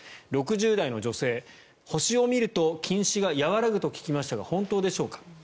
６０代の女性星を見ると近視が和らぐと聞きましたが本当でしょうか。